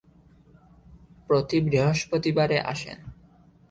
প্রতি বৃহস্পতিবারে আসেন?